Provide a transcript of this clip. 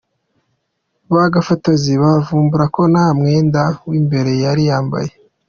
bagafotozi bavumbura ko ntamwenda wimbere yari yambaye.